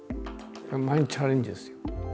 毎日チャレンジですよ。